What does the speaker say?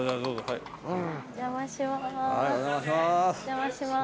はいお邪魔します。